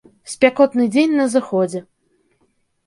Спякотны дзень на зыходзе.